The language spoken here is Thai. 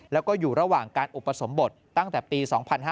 แล้วก็อยู่ระหว่างการอุปสมบทตั้งแต่ปี๒๕๕๙